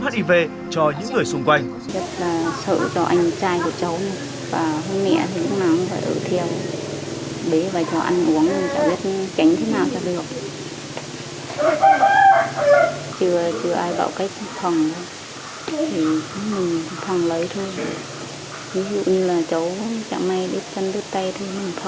hãy đi về cho những người xung quanh